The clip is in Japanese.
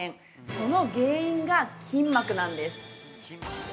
その原因が筋膜なんです。